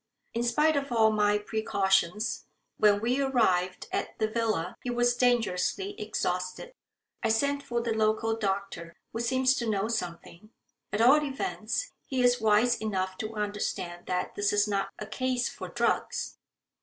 In spite of all my precautions, when we arrived at the villa he was dangerously exhausted. I sent for the local doctor, who seems to know something. At all events, he is wise enough to understand that this is not a case for drugs.